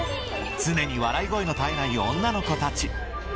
常に笑い声の絶えない女の子たち